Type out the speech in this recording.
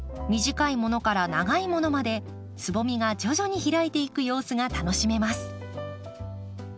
短いものから長いものまでつぼみが徐々に開いていく様子が楽しめます。